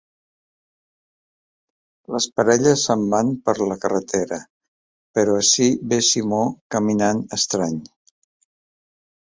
Les parelles se'n van per la carretera, però ací ve Simó caminant estrany.